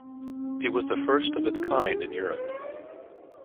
It was the first of its kind in Europe.